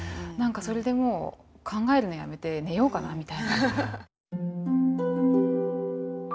何かそれでもう考えるのやめて寝ようかなみたいな。